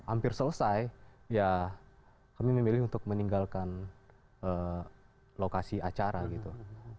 hampir selesai ya kami memilih untuk meninggalkan lokasi acara gitu